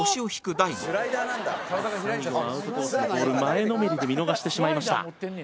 サインはアウトコースのボール前のめりで見逃してしまいました。